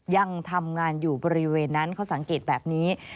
ยังทำงานอยู่บริเวณนั้นเขาสังเกตแบบนี้